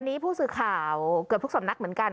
ตอนนี้ผู้สื่อข่าวเกือบพวกส่วนนักเหมือนกัน